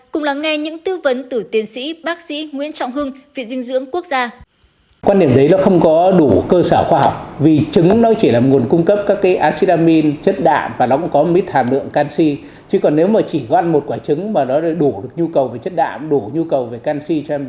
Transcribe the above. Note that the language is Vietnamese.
cùng lắng nghe những tư vấn từ tiến sĩ bác sĩ nguyễn trọng hưng viện dinh dưỡng quốc gia